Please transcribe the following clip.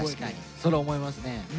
それ思いますね。